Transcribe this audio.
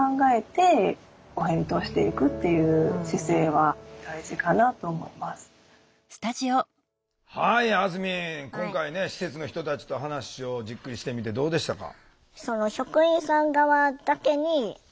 はいあずみん今回ね施設の人たちと話をじっくりしてみてどうでしたか？